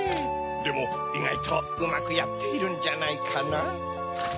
でもいがいとうまくやっているんじゃないかな。